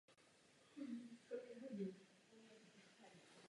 Potřebujeme, abyste předložil návrh komplexní a důrazné strategie.